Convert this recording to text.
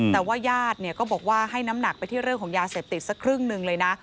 แต่ว่าญาติก็บอกว่าให้น้ำหนักไปที่เรื่องของยาเสพติดสักครึ่งหนึ่งเลยนะ